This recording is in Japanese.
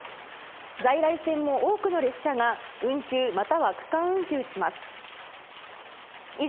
在来線も多くの列車が運休、または区間運休します。